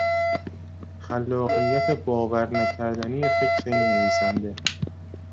خلاقیت باور نکردنی فکر این نویسنده